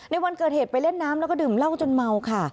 ในวันเกิดเหตุไปเล่นน้ำแล้วก็ดื่มเหล้าจนเมาค่ะ